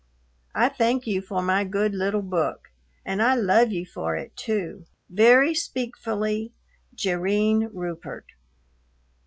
I thank you for my good little book. and I love you for it too. very speakfully, JERRINE RUPERT.